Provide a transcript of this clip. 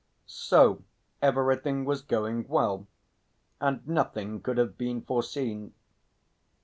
So everything was going well, and nothing could have been foreseen.